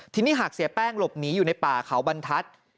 ทีนี้หากเสียแป้งหลบหนีอยู่ในป่าเขาบรรทัศน์